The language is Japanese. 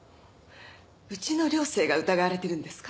うちの寮生が疑われているんですか？